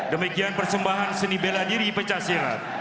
demikian persembahan seni bela diri pecah sirat